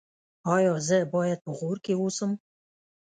ایا زه باید په غور کې اوسم؟